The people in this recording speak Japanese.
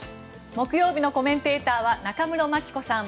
木曜日のコメンテーターは中室牧子さん